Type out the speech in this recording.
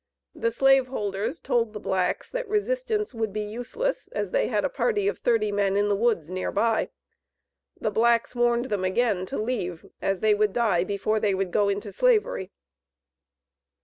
The slave holders told the blacks that resistance would be useless, as they had a party of thirty men in the woods near by. The blacks warned them again to leave, as they would die before they would go into Slavery.